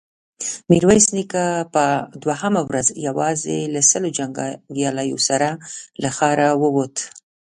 ميرويس نيکه په دوهمه ورځ يواځې له سلو جنګياليو سره له ښاره ووت.